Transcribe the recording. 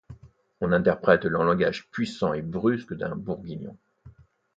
On interprète le langage puissant et brusque d’un bourguignon.